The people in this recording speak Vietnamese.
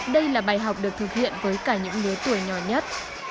đây là bài học được thực hiện với cả những lứa tuổi nhỏ nhất